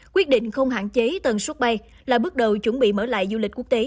quyết định không hạn chế tần suất bay là bước đầu chuẩn bị mở lại du lịch quốc tế